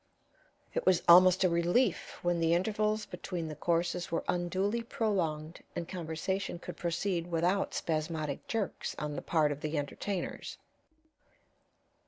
It was almost a relief when the intervals between the courses were unduly prolonged and conversation could proceed without spasmodic jerks on the part of the entertainers.